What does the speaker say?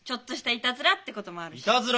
いたずら？